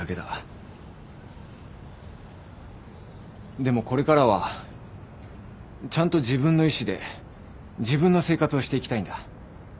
でもこれからはちゃんと自分の意思で自分の生活をしていきたいんだ。